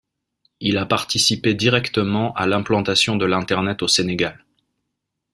Il a participé directement à l'implantation de l'internet au Sénégal.